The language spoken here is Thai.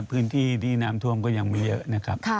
พื้นที่ที่น้ำท่วมก็ยังไม่เยอะนะครับ